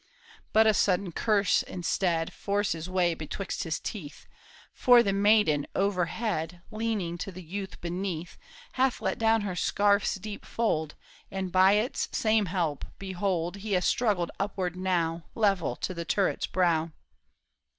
But a sudden curse instead Forces way betwixt his teeth, For the maiden overhead Leaning to the youth beneath, Hath let down her scarf's deep fold, And by its same help, behold, He has struggled upward now Level to the turret's brow.